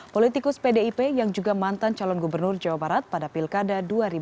politikus pdip yang juga mantan calon gubernur jawa barat pada pilkada dua ribu delapan belas